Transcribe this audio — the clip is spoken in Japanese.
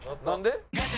何で？